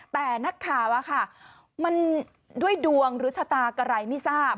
แต่นักข่าวอะค่ะมันด้วยดวงหรือชะตากะไรไม่ทราบ